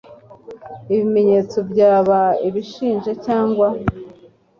ibimenyetso byaba ibishinja cyangwa